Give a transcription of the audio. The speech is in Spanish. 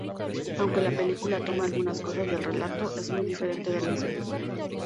Aunque la película toma algunas cosas del relato, es muy diferente del mismo.